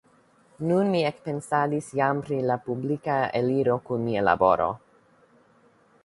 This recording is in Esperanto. Nun mi ekpensadis jam pri la publika eliro kun mia laboro.